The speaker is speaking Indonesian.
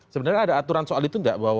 sebenarnya ada aturan soal itu enggak